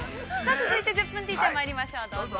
続いて「１０分ティーチャー」まいりましょう、どうぞ。